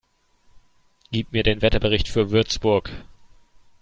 Gib mir den Wetterbericht für Würzburg